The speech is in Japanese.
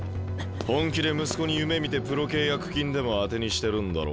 本気で息子に夢みてプロ契約金でも当てにしてるんだろ？